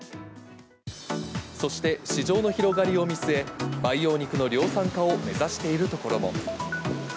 そして市場の広がりを見据え、培養肉の量産化を目指しているところも。